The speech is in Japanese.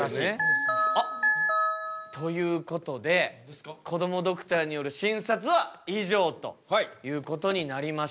あっ！ということでこどもドクターによる診察は以上ということになりました。